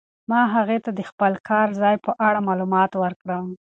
ما هغې ته د خپل کار ځای په اړه معلومات ورکړل.